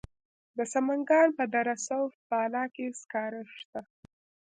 د سمنګان په دره صوف بالا کې سکاره شته.